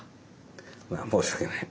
申し訳ない。